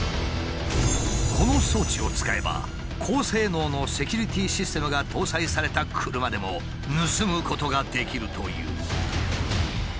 この装置を使えば高性能のセキュリティーシステムが搭載された車でも盗むことができるという。